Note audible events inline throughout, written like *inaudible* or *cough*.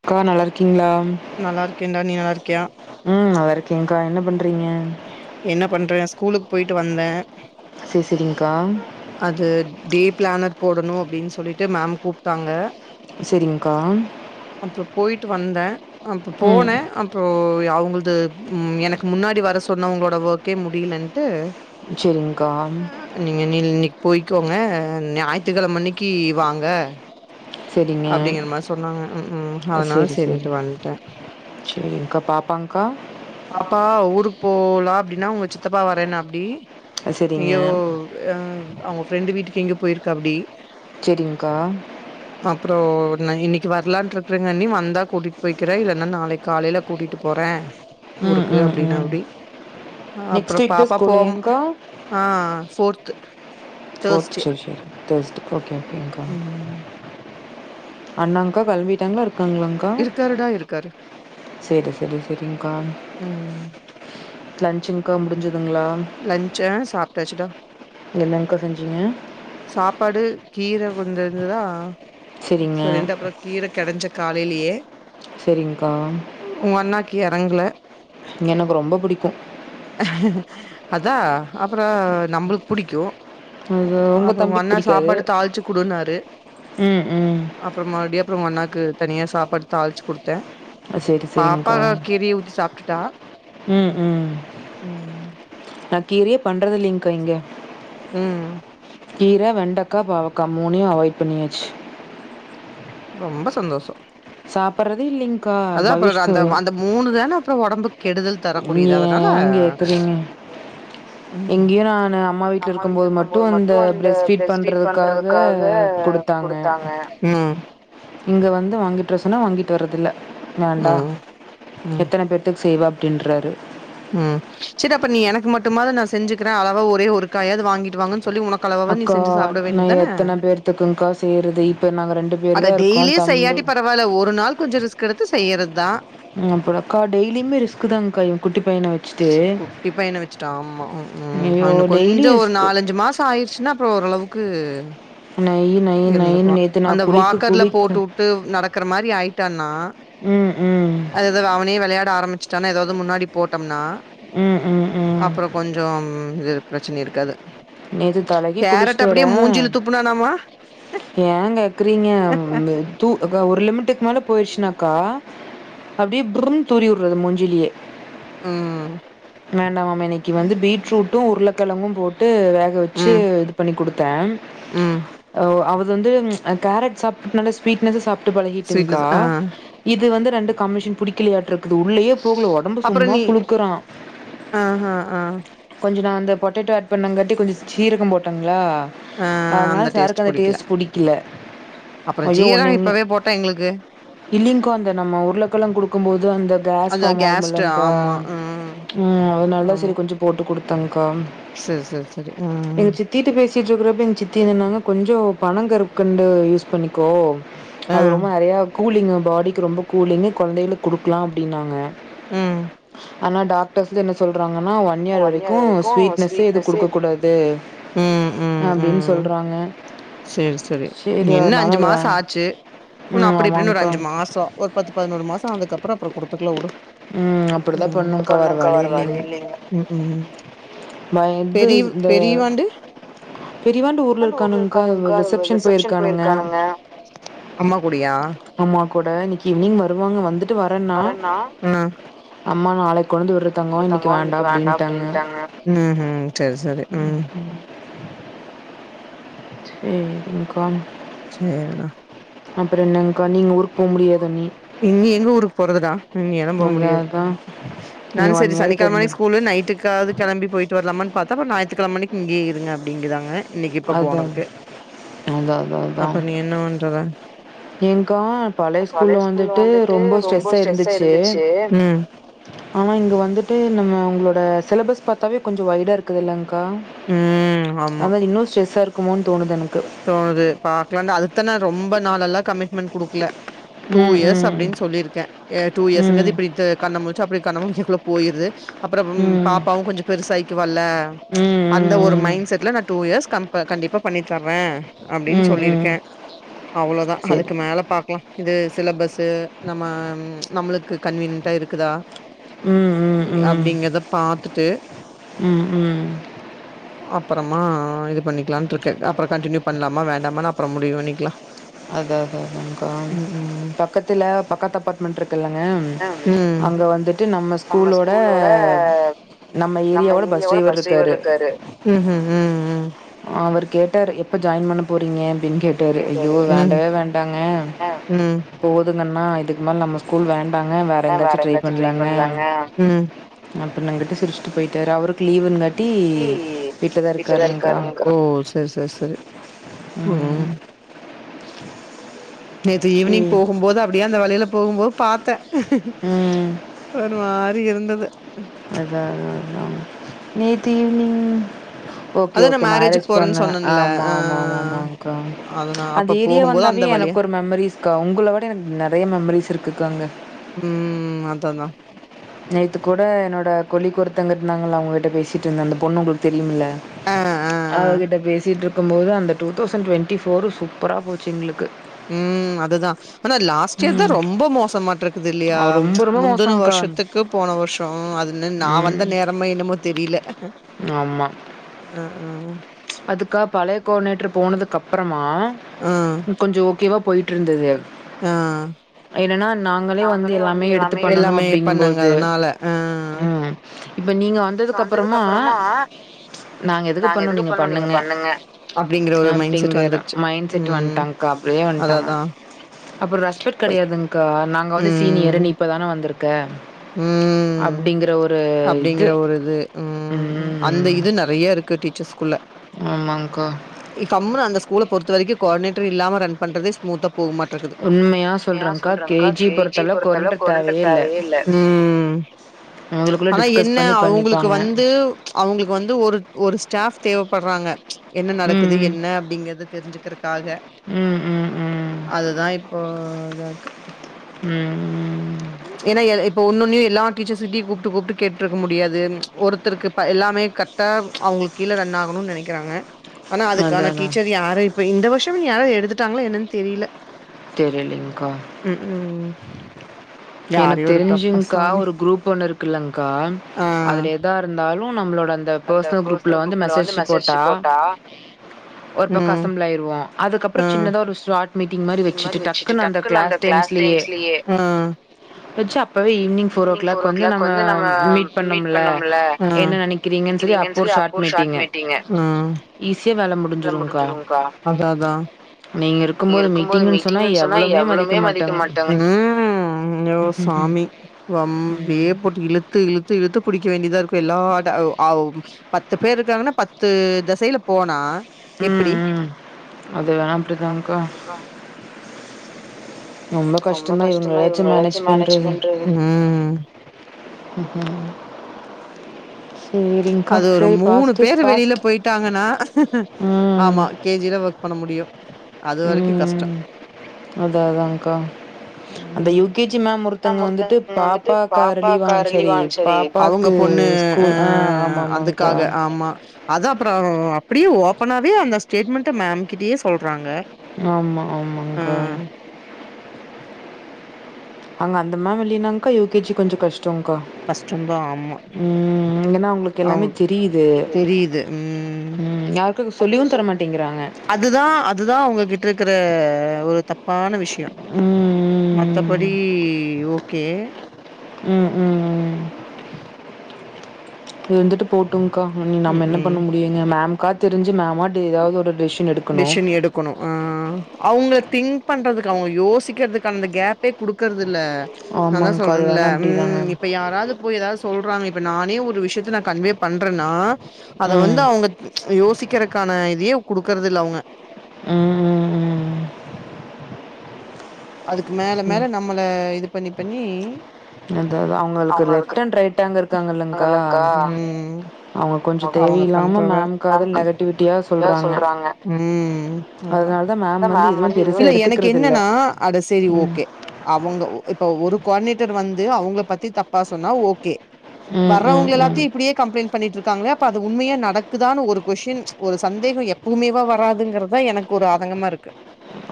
அக்கா நல்லா இருக்கீங்களா நல்லா இருக்கேன்டா நீ நல்லா இருக்கியா ம் நல்லா இருக்கேங்க்கா என்ன பண்றீங்க என்ன பண்றே ஸ்கூலுக்கு போயிட்டு வந்தே சேரி சேரிங்க்கா அது டே பிளானர் போடணு அப்புடின்னு சொல்லிட்டு மேம் கூப்புட்டாங்க சேரிங்க்கா அப்புற போயிட்டு வந்தே அப்ப போனே அப் புறே அவுங்களது ம் எனக்கு முன்னாடி வர சொன்னவங்களோட ஒர்க்கே முடியலன்ட்டு சேரிங்க்கா நீங்க இன் இன்னைக்கி போய்கிக்கோங்க ஞாயித்துக்கிழம அன்னைக்கி வாங்க அப்புடிங்கற மாறி சொன்னாங்க ம் ம் அதனால சேரின்னுட்டு வன்டே சேரிங்க்கா பாப்பாங்க்கா பாப்பா ஊருக்கு போலா அப்புடின்னா அவுங்க சித்தப்பா வரேன்னப்படி எங்யோ அ அவுங்க ஃப்ரெண்டு வீட்டுக்கு எங்கையே போயிருக்காப்படி சேரிங்க்கா அப்புறே நா இன்னைக்கி வரலான்ட்டு இருக்கேறங் அண்ணி வந்தா கூட்டிட்டு போய்கிறே இல்லைன்னா நாளைக்கி காலையில கூட்டிட்டு போறே ஊருக்கு அப்புடின்னாப்படி அப்புறே பாப்பா போவு ஆ ஃபோர்த்து ஃபோர்த்து சேர் சேரி தேஸ்ட் ஓகே ஓகே இங்க்கா அண்ணாங்க்கா கிளம்பிட்டாங்ளா இருக்காங்ளாங் கா சேரி சேரி சேரி்ங்க்கா லன்ச்சுங்க்கா முடிஞ்சுதுங்களா லன்ச்சா சாப்ட்டாச்சுடா என்னைக்கா செஞ்சீங்க சாப்பாடு கீர கொஞ்சே இருந்து தா சேரிண்டு அப்புறே கீர கெடெஞ்சே காலைலயே செரிங்க்கா உங் அண்ணாக்கு எறங்கல எனக்கு ரொம்ப புடிக்கு அதா அப்பறொ நம்பளுக் புடிக்கு அது உங்க தம்பிக்கு புடிக்காது ம் ம் அப்புறே மறுபடியு அப்புற உங்க அண்ணாக்கு தனியா சாப்பாடு தாள்ச்சி குடுத்தே பாப்பா தா கீரிய ஊத்தி சாப்புட்டுட்டா ம் நா கீரையே பண்றது இல்லங்க்கா இங்க ம் கீர வெண்டக்கா பாவக்கா மூனயு அவாய்ட் பண்ணியாச்சு ரொம்பொ சந்தோசொ சாப்பட்றதே இல்லெங்க்கா பவிஷ்க்கு மூனு தான அப்றொ ஒடம்புக் கெடுதல் ஏங் கேக்குறீங்கெ எங்கியு நானு அம்மா வீ வீட்ல இருக்கம்போது மட்டு அந்த ப்ரஸ்ட் ஃபீட் பண்றதுக்காக குடுத்தாங்க இங்க வந்து வாங்கிட்ற சொன்னா வாங்கிட்டு வரதில்ல வேண்டா எத்தன பேத்துக் செய்வ அப்டின்றாரு ம் செரி அப்ப நீ எனக்கு மட்டுமாது நா செஞ்சுக்குறே அளவா ஒரே ஒரு காயாது வாங்கிட்டு வாங்கனு சொல்லி உனக் அக்கா நா எத்தன பேர்த்துக்குங்க்கா செய்றது இப்ப நாங்க ரெண்டு பேரு தா இருக்கோ தம் பரவால்ல ஒரு நாள் கொஞ்சொ ரிஸ்க் எடுத்து செய்யறத் தா ம் அப்பரக்கா டெய்லியுமே ரிஸ்க் தாங்க்கா எ குட்டி பையன வச் குட்டி பையன வச்சுட்டா ஆமா ம் ம் அவ இன்ன கொஞ்சொ ஒரு நாலஞ்சு மாச ஆயிர்ச்சுன்னா அப்பறொ ஓரளவுக்கு இருந்துக்குவா அந்த வாக்கர்ல போட்டு வுட்டு நடக்கிற மாரி ஆயிட்டான்னா ம் ம் அததா அவனே வெளையாட ஆரமிச்சுட்டானா எதாவது முன்னாடி போட்டொம்னா ம் ம் ம் கொஞ்சம் இது பிரச்சனை இருக்காது கேரட்ட அப்புடியே மூஞ்சில துப்புனானாமா ஏங் கேக்குறீங்க வந்து தூ அக்கா ஒரு லிமிட்டுக்கு மேல போயிர்ச்சுனாக்கா அப்டியே ப்றும் தூறி விடுறது மூஞ்சிலியே ம் வேண்டாமாமா இன்னக்கி வந்து பீட்ரூட்டு உருளக்கெழங்கு போட்டு வேக வெச்சு பண்ணி குடுத்தே ம் அவ் அவதுந்து அ கேரட் சாப்ட் நல்ல ஸ்வீட்னஸா சாப்ட்டு பழகிட்டுங்க்கா இது வந்து ரெண்டு கமிஷன் புடிக்கலையாட்ருக்குது உள்ளேயே போகல ஒடம்பு சும்மா குளுக்குறா அ அ அ கொஞ்சொ நா அந்த பொட்டெட்டோ ஆட் பண்ணங்காட்டி கொஞ்சொ சீரகம் போட்டங்ளா அதுனால சாருக்கு அந்த டேஸ்ட் புடிக்கில அப்பறொ ஜீரக இப்பவே போட்டா எங்ளுக்கு இல்லிங்க்கா அந்த நம்ம உருளக்கெழங் குடுக்கம்போது அந்த கேஸ் ஃபாம் ஆகும் இல்லெங்க்கா ம் அதுனால்தா செரி கொஞ்சொ போட்டு குடுத்தங்க்கா செர் செர் செரி ஆ தீட்ட பேசிட்ருக்குறப்ப எங்க சித்தி என்ன *unintelligible* கொஞ்சொ பணங்கற்கண்டு யூஸ் பண்ணிக்கோ அது ரொம்ப நெறையா கூலிங்கு பாடிக்கு ரொம்ப கூலிங்கு கொழந்தெகளுக் குடுக்லா அப்டின்னாங்க ம் ஆனா டாக்டர்ஸ்க என்ன சொல்றாங்கன்னா ஒன் இயர் வரைக்கு ஸ்வீட்னஸ்ஸே எது குடுக்கக்கூடாது அப்டினு சொல்றாங்க சேரி செரி இனி என்ன அஞ்சு மாச ஆச்சு உன்னு அப்டி இப்டின்னு ஒரு அஞ்சு மாசோ ஒரு பத்து பதினோரு மாசோ அதுக்கப்பறோ அப்புறோ குடுத்துக்கலா உடு பண்ணுங்கா வேற வழி இல்லிங்க பெரிவ் பெரியவாண்டு கானுங்க்கா ரிசப்ஷன் போயிருக்கானுங்க அம்மா கூட இன்னைக்கி ஈவ்னிங் வருவாங்க வந்துட்டு வரன்னா அம்மா நாளைக்கு கொண்டு வந்து விடுறே தங்கோ இன்னைக்கு வேண்டா அப்டின்டாங்க ம் ம் செரி செரி ம் ஏ டி காம் சேரிடா அப்புறோ என்னங்க்கா நீங்க ஊருக்கு போமுடியாது இனி இனி எங்க ஊருக்கு போறது டா ம் இனியலா போமுடியாது நா சேரி சனிக்கெழமையு ஸ்கூலு நைட்டுக்கு காது கெளம்பி போயிட்டு வரலாமானு பாத்தா அப்புறோ ஞாயித்துகெழம அன்னக்கி இங்கயே இருங்க அப்டிங்கிறாங்க இன்னைக்கி இப்ப போனதுக்கு அப்ப நீ என்னாண்றதா ஏங்க்கா பழைய ஸ்கூல்ல வந்துட்டு ரொம்ப ஸ்ட்ரெஸ்ஸா இருந்துச்சு ஆனா இங்க வந்துட்டு நம்ம அவங்களோட சிலபஸ் பாத்தாவே கொஞ்சோ ஒய்டா இருக்குதுல இல்லங்க்கா அவள் இன்னு ஸ்ட்ரெஸ்ஸா இருக்குமோனு தோணுது எனக்கு தோணுது பாக்கலான் தா அதுக்குதா நா ரொம்ப நாள் எல்லா கமிட்மெண்ட் குடுக்ல டூ இயர்ஸ் அப்டின்னு சொல்லிருக்கே ஏ டூ இயர்ஸ்ங்கிறது இப்டி தா கண்ண முழிச்சு அப்டி கண்ணமுழிக்கிறதுக்குள்ள போயிருது அப்பறோ ம் பாப்பாவு கொஞ்சோ பெருசாயி கிவாளா ம்ச் அந்த ஒரு மைண்ட் செட்ல நா டூ இயர்ஸ் கம்ப கண்டிப்பா பண்ணி தர்றே அப்டின் சொல்லிருக்கே அவ்ளோதா அதுக்கு மேல பாக்லா இது சிலபஸ்ஸு நம்ம ம்ச் நம்மளுக்கு கன்வீனின்ட்டா இருக்குதா அப்டிங்கறத பாத்துட்டு ம் ம் அப்பறமா இது பண்ணிக்கலான்டு இருக்கே அப்புறோ கண்டினியு பண்லாமா வேண்டாமானு அப்புறோ முடிவு பண்ணிக்கலா அத அத அதாங்கா பக்கத்துல பக்கத்து அப்பாட்மெண்ட் இருக்குல்லங்க அங்க வந்துட்டு நம்ம ஸ்கூலோட நம்ம ஏரியாவோட பஸ் டிரைவர் இருக்காரு ம் ம் ம் அவர் கேட்டாரு எப்ப ஜாயின் பண்ண போறீங்க அப்டின் கேட்டாரு ஐயோ வேண்டவே வேண்டாங்க போதுங் அண்ணா இதுக்கு மேல நம்ம ஸ்கூல் வேண்டாங்க வேற எங்காச்சு ட்ரை பண்லாங்க அப்புனுகட்டு சிரிச்சுட்டு போய்ட்டாரு அவருக்கு லீவுனுங்காட்டி வீட்டுலதா இருக்காருங்க்கா ஓ செரி செரி செரி ம் நேத்து ஈவ்னிங் போகும்போது அப்டியே அந்த வழில போகும்போது பாத்தே ஒரு மாரி இருந்தது அதா அதா அதா ஓகே ஓகே மேரேஜ் பொண்ணு ஆமா ஆமா ஆமா ஆமாங்கா ம்ச் அந்த ஏரியா வந்தாவே எனக் ஒரு மெமரிஸ்க்கா உங்கள விட எனக்கு நெறையா மெமரிஸ் இருக்குக்கா அங்க ம் அது தா நேத்து கூட என்னோட கொலிக்கொருத்தங்க இருந்தாங்கள அவங்க கிட்ட பேசிட்டு இருந்த அந்த பொண்ணு உங்களுக்கு தெரியும்ல அவகிட்ட பேசிட்டு இருக் இருக்கும்போது அந்த டூ தௌசண்ட் டுவெண்ட்டி ஃபோர் சூப்பரா போச்சு எங்களுக்கு ம் அதுதா ஆனா லாஸ்ட் இயர் தா ரொம்ப மோசமாட்ட இருக்குது இல்லையா முந்தன வருஷத்துக் க்கு போன வருஷோ அது என்ன நா வந்த நேரமா என்னமோ தெரியல ஆ ஆ அதுக்கா பழைய கோஆர்டினேட்டர் போனதுக்கப்றமா கொஞ்சோ ஓகேவா போயிட்டு ட்ருந்தது ஆ என்னன்னா நாங்களே வந்து எல்லாமே எடுத்து பண்ணணு அப்டிங்கும்போது ம் இப்ப நீங்க வந்ததுக்கு அப்புறமா நாங்க எதுக்கு பண்ணணு நீங்க பண்ணுங்க அப்டிங்கிற மைண்ட் செட் வண்டாங்க்கா அப்டியே வண்டாங்க அப்புறோ ரெஸ்பெக்ட் கிடையாதுங்கா நாங்க வந்து சீனியரு நீ இப்பதான வந்துருக்க ம் அப்படிங்கற ஒரு இது ம் அந்த இது நெறைய இருக்கு க்கு டீச்சர்ஸ்குள்ள ஆமாங்கா இ கம்முன்னு அந்த ஸ்கூல பொறுத்த வரைக்கு கோஆடினேட்டர் இல்லாம ரன் பண்றதே ஸ்மூத்தா போகுமாட்டிருக்குது ஏ சொல்றங்கா கே ஜி பொறுத்தளவு கோ ஆடினேட்டர் தேவயே இல்ல ம் ஆனா என்ன அவங்களுக்கு வந்து அவங்களுக்கு வந்து ஒரு ஒரு ஸ்டாஃப் தேவப்பட்றாங்க என்ன நடக்குது என்ன அப்டிங்கறத தெரிஞ்சுக்கிறக்காக அதுதா இப்போ இதாருக்கு ம் ஏன்னா இப்ப ஒன்னொன்னயும் எல்லா டீச்சர்ஸ்ஸிட்டயு கூப்டு கூப்டு கேட்டுட்டு இருக்க முடியாது ஒருத்தருக்கு எல்லாமே க ரெட்டா அவங்களுக்கு கீழ ரன் ஆகணுன்னு நெனைக்கறாங்க ஆனா அதுக்கான டீச்சர் யார இப்ப இந்த வருஷம் யார எடுத்துட்டாங்களா என்னன்னு தெரியல தெரிலிங்கா ம் ம் எனக்கு தெரிஞ்சுங்கா ஒரு குரூப் ஒண்ணு இருக்குல்லங்கா அதுல எதா இருந்தாலு நம்மளோட அந்த பர்சனல் குரூப்ல வந்து மெசேஜ் போட்டா ஒரு பக்கோ அசம்பள் ஆயிருவோ அதுக்கப்புறோ சின்னதா ஒரு ஸ்லாட் மீட்டிங் மாரி வச்சுட்டு டக்குன்னு அந்த கிளாஸ் டைம்ஸ்லயே யே ம் வச்சு அப்பவே ஈவினிங் ஃபோர் ஓ கிளாக் வந்து நம்ம மீட் பண்ணம்ல என்ன நெனக் றீங்கன்னு சொல்லி அப்போ ஒரு ஷார்ட் மீட்டீங்கு ஈஸியா வேல முடி ல முடிஞ்சுருங்கா அதா அதா நீங்க இரு நீங்க இருக்கும்போது மீட்டிங்குன்னு சொன்னா எவளுமே மதிக்க மாட்டாங்க ம் ம் ஐயோ சாமி வம்பே போட்டு இழு து இழுத்து இழுத்து புடிக்க வேண்டியதா இருக்கு எல்லா அ அவ் பத்து பேர் இருக்காங்கன்னா பத்து தெசயில போனா ம் ம் அது வேணா அப்டி அப்டிதாங்க்கா ரொம்ப கஷ்டந்தா இவங்கள வச்சு மேனேஜ் பண்றது ம் உம் உம *unintelligible* அது ஒரு மூணு பேரு வெளியில போயிட்டாங்கன்னா ஆமா கே ஜில ஒர்க் பன்ன முடியும் அது வரைக்கும் கஷ்டம் அதா அதான்க்கா அந்த யு கே ஜி மே ஒருத்தங்க வந்துட்டு பாப்பா கார லிவு ஆனா செரி பா ப்பாக்கு ஸ்கூல் ஆ ஆம ஆமாங்கா ஆமா அத அப்றோ அப்டியே ஓபனாவே அந்த ஸ்டேட்மெண்ட மேம்கிட்டயே சொல்றாங்க ஆமா ஆமாங்கா அங்க அந்த மேம் இல்லேனாங்கா யு கே ஜி கொஞ்ச கஷ்டம்கா கஷ்டம் தான் ஆமா ம் இல்லனா அவங்களு எனக் எல்லாமே தெரியுது ம் யாருக்கும் சொல்லியும் தரமாட்டேங்கிறாங்க அதுதான் அதுதான் உங்ககிட்ட இருக்கிற ஒரு தப்பான விஷ ய‌ மத்தபடி ஓகே ம் ம் இது வந்துட்டு போட்டுங்கா இனி நம்ம என்ன பண்ண முடியுங்க மேம்கா தெரிஞ்சு மே அ ஏதாவது ஒரு டிசிஷன் எடு டிசிஷன் எடுக்கணும் ஆ அவங்க திங்க் பண்றதுக்கு அவங்க யோசிக்கிறதுக்கு அந்த கேப் ப்பே குடுக்கறது இல்ல நான் அதான் சொல்றேன்ல ம் இப்ப யாராவது இப்ப ஏதாவது சொல்றாங்க இப்ப நானே ஒரு விஷயத்த நான் கன்வே பண்றேன்னா அதை வந்து அவங்க யோசிக்கிறதுக்கான இதையே குடுக்குறது இல்ல அவங்க ம் அதுக்கு மேல மேல நம்மள இது பண்ணி பண்ணி அவங்களுக்கு அங்கலங்கா ம் அவங்க பண்றவே ஏன் சொல்றாங்க ம் அதான் இல்ல எனக்கு என்னன்னா அட செரி ஓகே அவங்க இப்ப ஒரு கொ ஆா்டனேட்டர் வந்து அவங்கள பத்தி தப்பா சொன்னா ஓகே வர்றவங்க எல்லாத்தையும் இப்டியே கம்ப்லெண்ட்டு பன்னிட்டு இருக்காங்களே அப்ப அது உண்மைய நடக்குதான்னு ஒரு கொஷ்டின் ஒரு சந்தேகம் எப்வுமே வராதுங்குறது எனக் கொரு ஆதங்கமா இருக்கு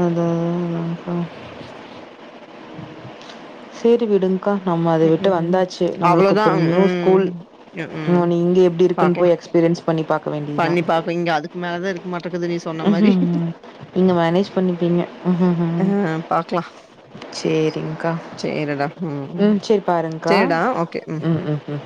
அதாங்க்கா செரி விடுங் க நம்ம அது விட்டு வந்தாச்சு நம்மளுக்கு நியூ ஸ்கூல் இங்க எப்டி இருக்குன்னு போய் எக்ஸ் பீரியன்ஸ் பண்ணி ப பண்ணி பாப்போ இங்க அதுக்கு மேலதான் இருக்கு மாட்றுக்குது நீ நீங்க மேனேஜ் பண்ணிப்பீங்க சேரி்ங்கா ம் செரி பாருங்க்கா ம் ம் ம்